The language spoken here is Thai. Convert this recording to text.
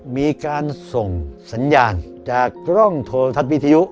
มีการส่งสัญญาณจากกล้องโทรทัศน์วิทยุ